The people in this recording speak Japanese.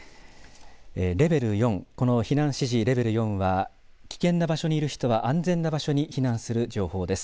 この避難指示レベル４は危険な場所にいる人は安全な場所に避難する情報です。